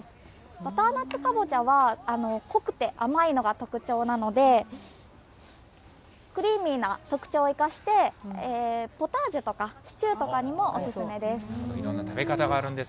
バターナッツかぼちゃは、濃くて甘いのが特徴なので、クリーミーな特徴を生かして、ポタージュとかシチューとかにもお勧めです。